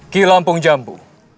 ki lampung jambu